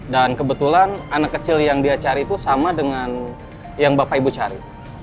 dan kebetulan anak kecil yang dia cari itu sama dengan yang bapak ibu cari